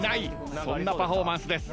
そんなパフォーマンスです。